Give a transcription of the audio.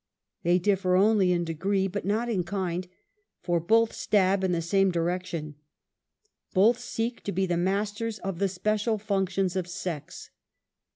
They diifer only in degree but not in kind^ for both stab in the same direction. Both seek to be the masters of the special functions of sex.